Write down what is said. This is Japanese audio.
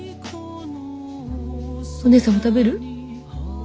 お姉さんも食べる？